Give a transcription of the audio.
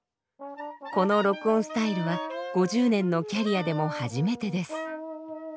この録音スタイルは５０年のキャリアでも初めてです。